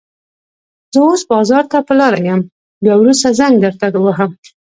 زه اوس بازار ته په لاره يم، بيا وروسته زنګ درته وهم.